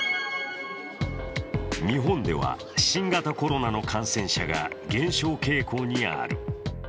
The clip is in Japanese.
日本では、新型コロナの感染者が減少傾向にある。